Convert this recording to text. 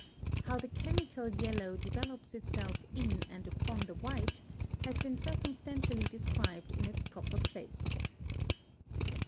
How the chemical yellow developes itself in and upon the white, has been circumstantially described in its proper place.